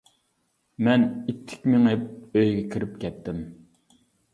مەن ئىتتىك مېڭىپ، ئۆيگە كىرىپ كەتتىم.